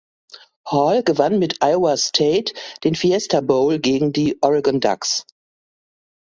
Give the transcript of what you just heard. Hall gewann mit Iowa State den Fiesta Bowl gegen die Oregon Ducks.